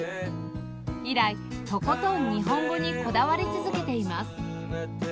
以来とことん日本語にこだわり続けています